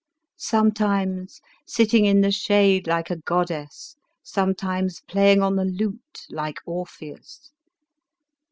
Sometimes sitting in the shade like a goddess, sometimes playing on the lute like Orpheus.